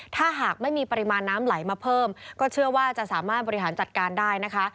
ถ้าหากไม่มีปริมาณน้ำไหลมาเพิ่มก็เชื่อว่าจะสามารถบริหารจัดการได้นะคะ